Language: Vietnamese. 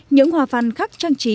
những hòa văn khắc trang trí